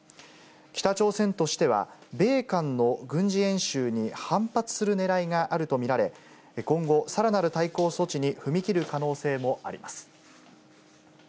北朝鮮としては、米韓の軍事演習に反発するねらいがあると見られ、今後、さらなる対抗措置に踏み切る可能性もあります。